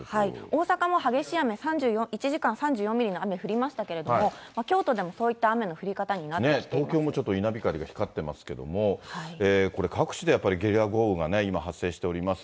大阪も激しい雨、１時間に３４ミリの雨降りましたけれども、京都でもそういった雨東京でもちょっと稲光が光ってますけれども、これ、各地でやっぱりゲリラ豪雨が今発生しております。